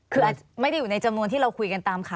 คืออาจไม่ได้อยู่ในจำนวนที่เราคุยกันตามข่าว